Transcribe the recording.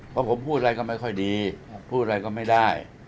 เพราะผมพูดอะไรก็ไม่ค่อยดีพูดอะไรก็ไม่ได้